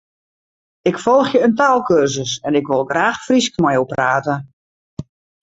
Ik folgje in taalkursus en ik wol graach Frysk mei jo prate.